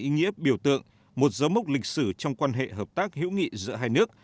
ý nghĩa biểu tượng một dấu mốc lịch sử trong quan hệ hợp tác hữu nghị giữa hai nước